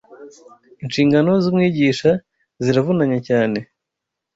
Inshingano z’umwigisha ziravunanye cyane